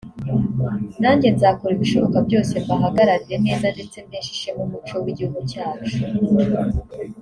nanjye nzakora ibishoboka byose mbahagararire neza ndetse mpeshe ishema umuco w’igihugu cyacu